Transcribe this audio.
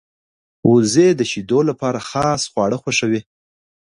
وزې د شیدو لپاره خاص خواړه خوښوي